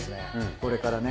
これからね。